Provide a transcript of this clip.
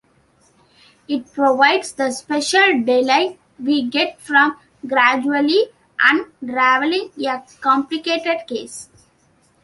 It provides the special delight we get from gradually unraveling a complicated case...